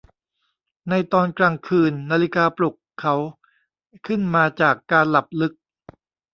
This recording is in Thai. ในตอนกลางคืนนาฬิกาปลุกเขาขึ้นมาจากการหลับลึก